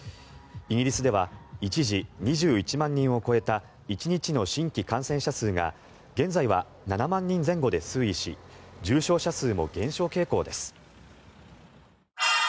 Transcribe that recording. イギリスでは一時２１万人を超えた１日の新規感染者数が現在は７万人前後で推移し重症者数も減少傾向です。